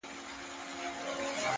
هغه به چيري وي